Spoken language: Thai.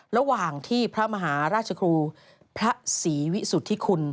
ระหว่างที่พระมหาราชครูพระศรีวิสุทธิคุณ